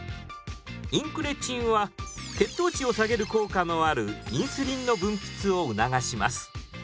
インクレチンは血糖値を下げる効果のあるインスリンの分泌を促します。